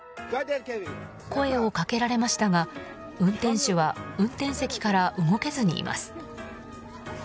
声をかけられましたが、運転手は運転席から動けずにいます。